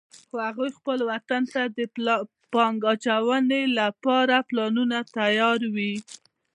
هغوی خپل وطن ته د پانګې اچونې لپاره پلانونه تیار وی